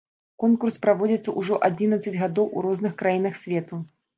Конкурс праводзіцца ўжо адзінаццаць гадоў у розных краінах свету.